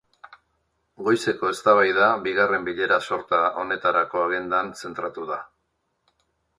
Goizeko eztabaida bigarren bilera-sorta honetarako agendan zentratu da.